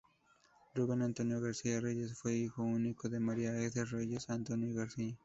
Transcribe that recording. Ruben Antonio García Reyes fue hijo único de María Esther Reyes y Antonio García.